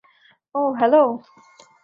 ওহ, hello!